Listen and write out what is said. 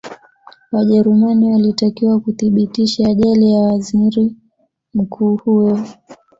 wajerumani walitakiwa kuthibitishe ajali ya waziri mkuu huyo